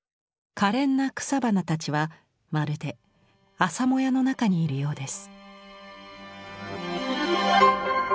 かれんな草花たちはまるで朝もやの中にいるようです。